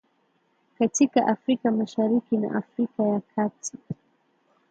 katika Afrika Mashariki na Afrika ya kati